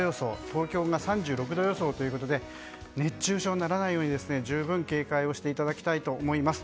東京が３６度予想ということで熱中症にならないよう十分に警戒していただきたいと思います。